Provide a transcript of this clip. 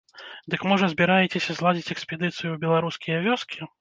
Дык можа збіраецеся зладзіць экспедыцыю ў беларускія вёскі?